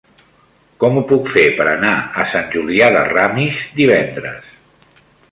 Com ho puc fer per anar a Sant Julià de Ramis divendres?